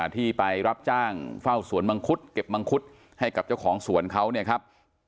ที่ไปรับจ้างเฝ้าสวนมังคุดเก็บมังคุดให้กับเจ้าของสวนเขาเนี่ยครับ